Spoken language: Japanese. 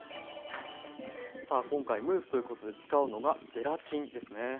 さあ今回ムースということで使うのがゼラチンですね。